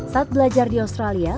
saat belajar di australia